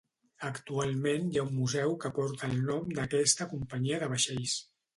Actualment hi ha un museu que porta el nom d'aquesta companyia de vaixells.